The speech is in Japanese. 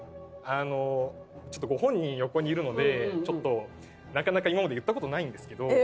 ご本人横にいるのでなかなか今まで言ったことないんですけど。